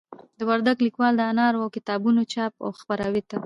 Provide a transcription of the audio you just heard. د وردگ ليكوالو د آثارو او كتابونو چاپ او خپراوي ته